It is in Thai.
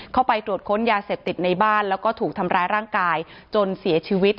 เข้าไปตรวจค้นยาเสพติดในบ้านแล้วก็ถูกทำร้ายร่างกายจนเสียชีวิต